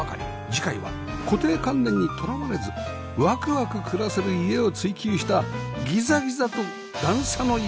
次回は固定観念にとらわれずワクワク暮らせる家を追求したギザギザと段差の家